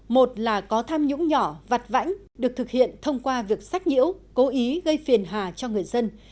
một là có tham nhũng nhỏ vặt vãnh được thực hiện thông qua việc sách nhiễu cố ý gây phiền hà cho người dân